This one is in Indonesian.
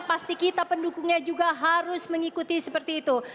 pasti kita pendukungnya juga harus mengikuti seperti itu